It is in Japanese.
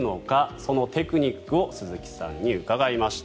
そのテクニックを鈴木さんに伺いました。